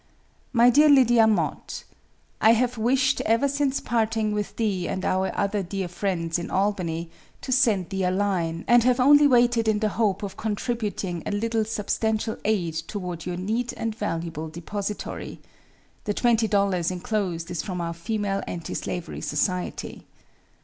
"My Dear Lydia Mott: "I have wished, ever since parting with thee and our other dear friends in Albany, to send thee a line, and have only waited in the hope of contributing a little 'substantial aid' toward your neat and valuable 'depository.' The twenty dollars inclosed is from our Female Anti slavery Society.